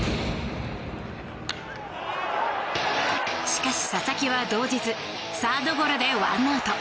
しかし、佐々木は動じずサードゴロでワンアウト。